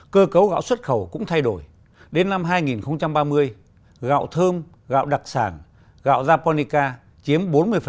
cơ cấu gạo xuất khẩu cũng thay đổi đến năm hai nghìn ba mươi gạo thơm gạo đặc sản gạo japonica chiếm bốn mươi